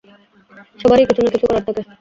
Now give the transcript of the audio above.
সবারই কিছু না কিছু করার থাকে।